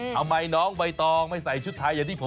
ทำไมน้องใบตองไม่ใส่ชุดไทยอย่างที่ผม